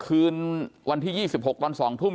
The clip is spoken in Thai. คืนวันที่๒๖ตอน๒ทุ่ม